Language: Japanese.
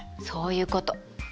そういうこと。